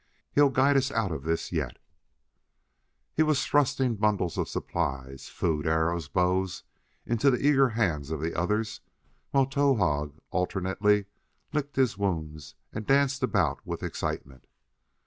He'll guide us out of this yet!" He was thrusting bundles of supplies food, arrows, bows into the eager hands of the others, while Towahg alternately licked his wounds and danced about with excitement.